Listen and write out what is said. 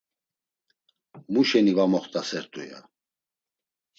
Muşeni va moxt̆asert̆u, ya.